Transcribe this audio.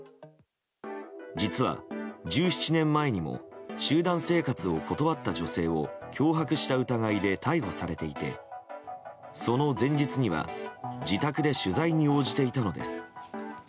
実は１７年前にも集団生活を断った女性を脅迫した疑いで逮捕されていてその前日には自宅で取材に応じていたのです。